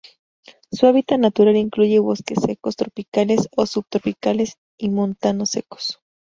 Su hábitat natural incluye bosques secos tropicales o subtropicales y montanos secos.